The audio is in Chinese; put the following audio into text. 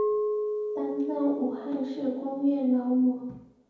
担任武汉市工业劳模。